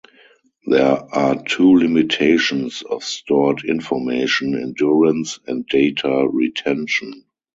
There are two limitations of stored information; endurance, and data retention.